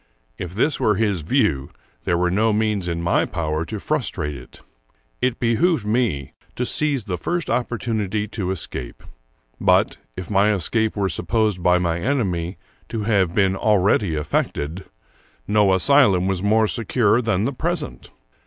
If this were his view, there were no means in my power to frus trate it. It behooved me to seize the first opportunity to escape ; but, if my escape were supposed by my enemy to have been already effected, no asylum was more secure than the present.